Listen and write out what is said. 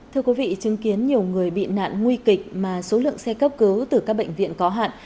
thưa quý vị chứng kiến nhiều người bị nạn nguy kịch mà số lượng xe cấp cứu từ các bệnh viện có hạn